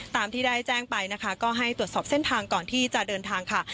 ตามที่ได้แจ้งไปนะคะก็ให้ตรวจสอบเส้นทางก่อนที่จะเดินทางค่ะ